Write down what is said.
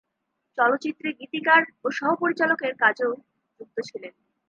চলচ্চিত্রে গীতিকার ও সহ পরিচালকের কাজেও যুক্ত ছিলেন।